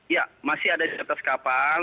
ya masih ada di atas kapal